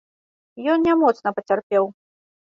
Ён не моцна пацярпеў.